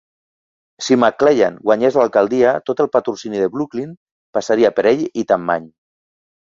Si McClellan guanyés l'alcaldia, tot el patrocini de Brooklyn passaria per ell i Tammany.